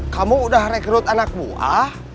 kamu udah rekrut anak buah